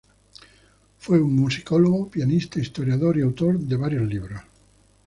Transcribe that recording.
Fue un musicólogo, pianista, historiador y autor de varios libros.